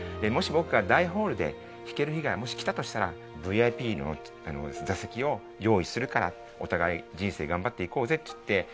もし僕が大ホールで弾ける日がもし来たとしたらＶＩＰの座席を用意するからお互い人生頑張っていこうぜって言って。